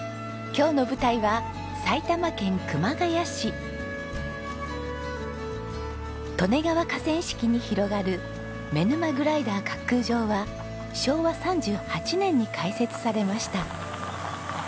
今日の舞台は利根川河川敷に広がる妻沼グライダー滑空場は昭和３８年に開設されました。